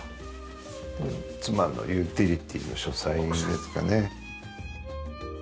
妻のユーティリティーの書斎ですかね。